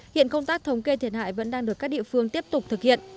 hiện công tác thống kê thiệt hại vẫn đang được các địa phương tiếp tục thực hiện